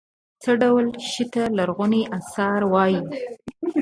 څه ډول شي ته لرغوني اثار وايي.